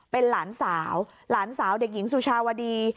เป็นหลานสาวหลานสาวเด็กหญิงสุชาวดี